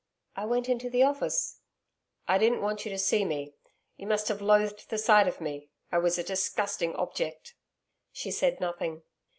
'I went into the Office.' 'I didn't want you to see me. You must have loathed the sight of me. I was a disgusting object.' She said nothing.